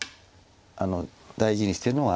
大事にしてるのは。